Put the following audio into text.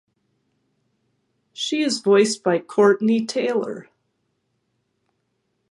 She is voiced by Courtenay Taylor.